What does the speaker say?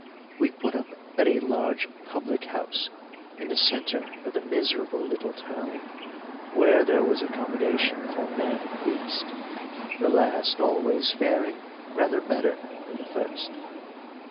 We put up at a large public house in the centre of the miserable little town, where there was accommodation for man and beast, the last always faring rather better than the first.